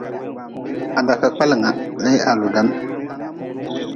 Ha da ka kpelnga lee ha ludan.